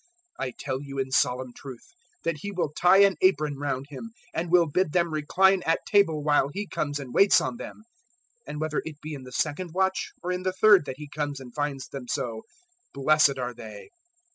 I tell you in solemn truth, that He will tie an apron round Him, and will bid them recline at table while He comes and waits on them. 012:038 And whether it be in the second watch or in the third that He comes and finds them so, blessed are they.